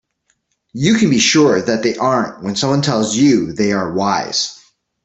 You can be sure that they aren't when someone tells you they are wise.